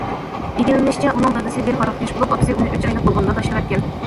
ئىگىلىنىشىچە، ئۇنىڭ دادىسى بىر ھاراقكەش بولۇپ، ئاپىسى ئۇنى ئۈچ ئايلىق بولغىنىدا تاشلىۋەتكەن.